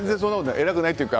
偉くないというか。